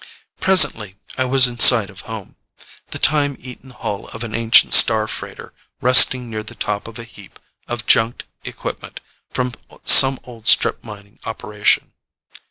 Presently I was in sight of home, the time eaten hull of an ancient star freighter resting near the top of a heap of junked equipment from some old strip mining operation.